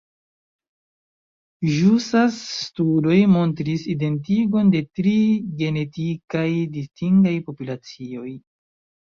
Ĵusaj studoj montris identigon de tri genetikaj distingaj populacioj.